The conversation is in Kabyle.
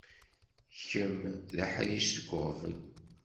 Kemm d aḥric seg uɣbel.